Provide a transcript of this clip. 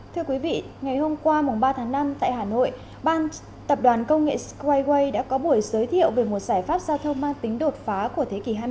thưa quý vị ngày hôm qua ba tháng năm tại hà nội ban tập đoàn công nghệ squay way đã có buổi giới thiệu về một giải pháp giao thông mang tính đột phá của thế kỷ hai mươi